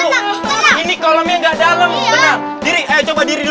lihat keringan jalan teman teman kita